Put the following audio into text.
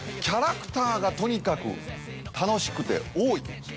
キャラクターがとにかく楽しくて多い。